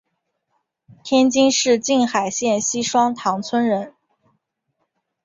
天津市静海县西双塘村人。